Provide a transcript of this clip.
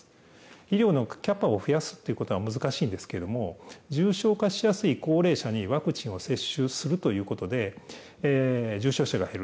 医療のキャパを増やすということは難しいんですけれども、重症化しやすい高齢者にワクチンを接種するということで、重症者が減る。